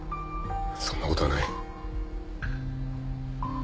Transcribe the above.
そんなことはない。